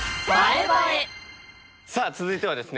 さあ続いてはですね